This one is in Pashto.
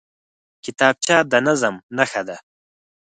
کتابچه د نظم نښه ده